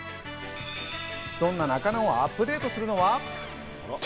そんな中のアップデートするのは。